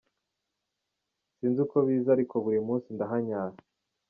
Sinzi uko biza ariko buri munsi ndahanyara.